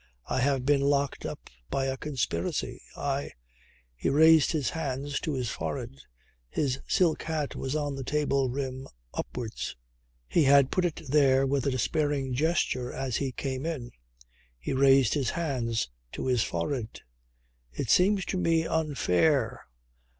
I have been locked up by a conspiracy. I " He raised his hands to his forehead his silk hat was on the table rim upwards; he had put it there with a despairing gesture as he came in he raised his hands to his forehead. "It seems to me unfair.